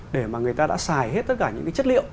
để mà người ta đã xài hết tất cả những cái chất liệu